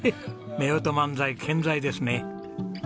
夫婦漫才健在ですね。